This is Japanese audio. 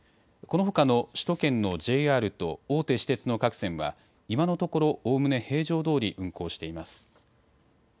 このほかの首都圏のＪＲと大手私鉄の各線は今のところおおむね平常どおり運行しています。